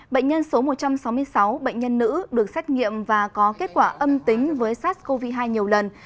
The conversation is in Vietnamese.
bệnh nhân số một trăm sáu mươi sáu bệnh nhân nữ được xét nghiệm và có kết quả âm tính với sars cov hai nhiều lần